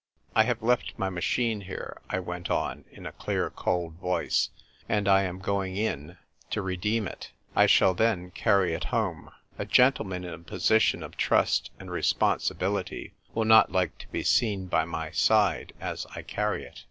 "I have left my machine here," I went on in a cold clear voice, " and I am going in ... to redeem it. I shall then carry it home. A Gentleman in a position of Trust and Respon sibility will not like to be seen by my side as I carry it."